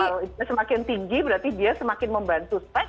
kalau semakin tinggi berarti dia semakin membantu spek